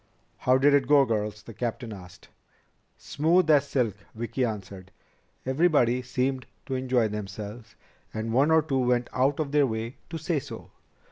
"How did it go, girls?" the captain asked. "Smooth as silk," Vicki answered. "Everybody seemed to enjoy themselves, and one or two went out of their way to say so."